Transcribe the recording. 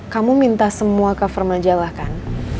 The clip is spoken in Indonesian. kamu minta semua cover majalah kan